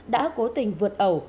đã cố tình vượt ẩu